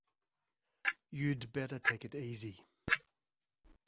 You'd better take it easy.